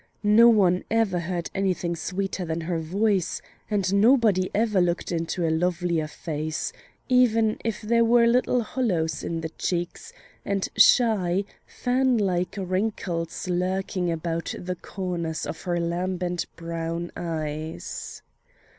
No one ever heard anything sweeter than her voice; in and nobody ever looked into a lovelier face, even if there were little hollows in the cheeks and shy, fanlike wrinkles lurking about the corners of her lambent brown eyes.